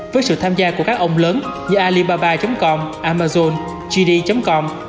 với sự tham gia của các ông lớn như alibaba com amazon gd com